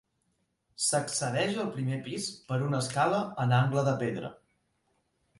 S'accedeix al primer pis per una escala en angle de pedra.